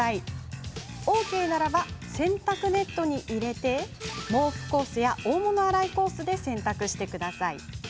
ＯＫだったら洗濯ネットに入れて毛布コースや大物洗いコースで洗濯してください。